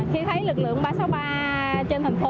khi thấy lực lượng ba trăm sáu mươi ba trên thành phố